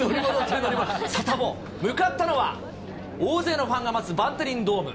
サタボー、向かったのは、大勢のファンが待つバンテリンドーム。